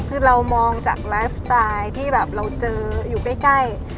คือเรามองจากไลฟ์สไตล์ที่แบบเราเจออยู่ใกล้